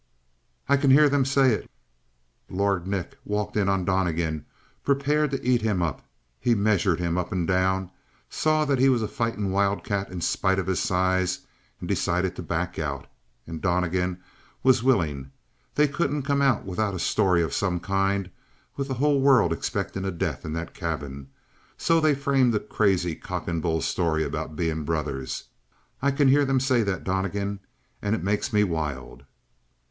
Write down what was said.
"I can hear them say it. 'Lord Nick walked in on Donnegan prepared to eat him up. He measured him up and down, saw that he was a fighting wildcat in spite of his size, and decided to back out. And Donnegan was willing. They couldn't come out without a story of some kind with the whole world expecting a death in that cabin so they framed a crazy cock and bull story about being brothers.' I can hear them say that, Donnegan, and it makes me wild!"